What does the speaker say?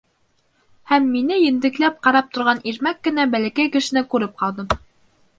Һәм мине ентекләп ҡарап торған ирмәк кенә бәләкәй кешене күреп ҡалдым.